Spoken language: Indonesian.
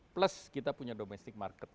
plus kita punya domestic market